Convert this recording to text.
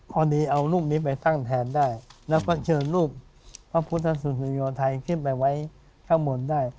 ข้อนี้เอารูปนี้ไปตั้งแทนได้แล้วก็เชิญรูปพระพุทธศุโยนไทยขึ้นไปไว้ข้างบนได้